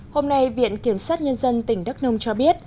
hôm nay viện kiểm sát nhân dân tỉnh đắk nông cho biết